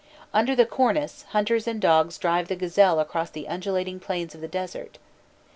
Under the cornice, hunters and dogs drive the gazelle across the undulating plains of the desert.